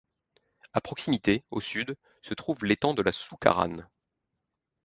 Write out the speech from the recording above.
À proximité, au sud, se trouve l’étang de la Soucarrane.